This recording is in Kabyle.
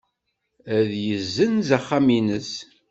Ad yessenz axxam-nnes.